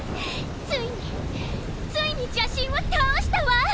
ついについに邪神を倒したわ！